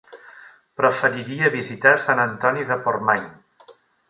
Preferiria visitar Sant Antoni de Portmany.